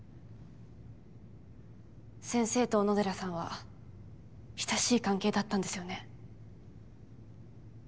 先生と小野寺さんは親しい関係だったんですよね。